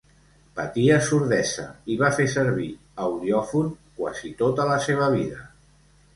Patia sordesa, i va fer servir audiòfon quasi tota la seva vida.